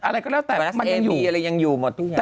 ไวรัสเอมียังอยู่หมด